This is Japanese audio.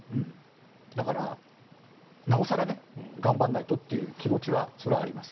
だから、なお更頑張らないとという気持ちはあります。